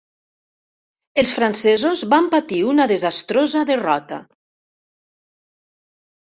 Els francesos van patir una desastrosa derrota.